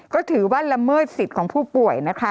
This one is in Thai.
ก็ถือว่าละเมิดสิทธิ์ของผู้ป่วยนะคะ